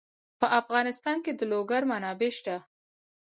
په افغانستان کې د لوگر منابع شته.